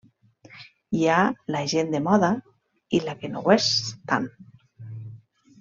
Hi ha la gent de moda i la que no ho és tant.